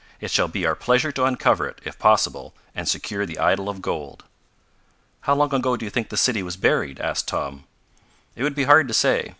It shall be our pleasure to uncover it, if possible, and secure the idol of gold." "How long ago do you think the city was buried?" asked Tom. "It would be hard to say.